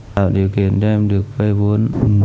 tạo điều kiện cho em được vây vốn